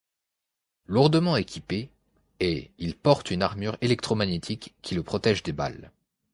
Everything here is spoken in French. Lourdement équipé et il porte une armure électromagnétique qui le protège des balles.